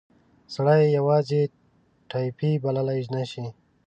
سړی یې یوازې ټایپي بللای نه شي.